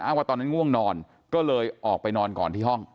ว่าตอนนั้นง่วงนอนก็เลยออกไปนอนก่อนที่ห้อง